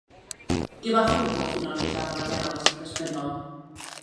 Què va fer un cop finalitzada la guerra a l'estat espanyol?